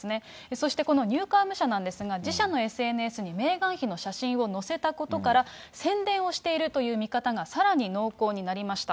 そしてこのニューカーム社なんですが、自社のＳＮＳにメーガン妃の写真を載せたことから、宣伝をしているという見方がさらに濃厚になりました。